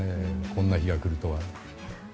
こんな日が来るとは。